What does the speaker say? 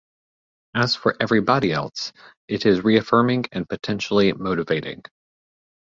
As for everybody else, it is reaffirming and potentially motivating.